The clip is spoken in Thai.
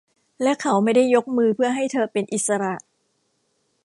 และเขาไม่ได้ยกมือเพื่อให้เธอเป็นอิสระ